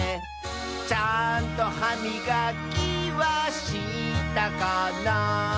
「ちゃんとはみがきはしたかな」